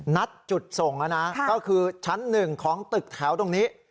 นัดจุดส่งแล้วนะก็คือชั้นหนึ่งของตึกแถวตรงนี้